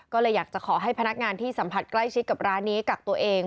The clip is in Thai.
ก็เลยอยากจะขอให้พนักงานที่สัมผัสใกล้ชิดกับร้านนี้กักตัวเอง